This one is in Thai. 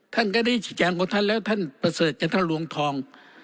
ท่านก็ได้ที่แจ้งของท่านแล้วท่านประเสรรจนัตริวงธรรม